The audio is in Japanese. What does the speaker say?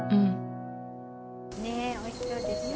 ねっおいしそうでしょ。